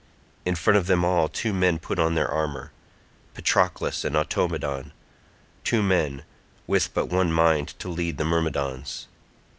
In front of them all two men put on their armour—Patroclus and Automedon—two men, with but one mind to lead the Myrmidons.